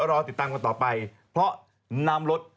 รอติดตามกันต่อไปเพราะน้ำลด